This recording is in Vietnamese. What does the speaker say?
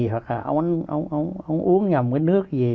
hoặc là ông uống nhầm cái nước gì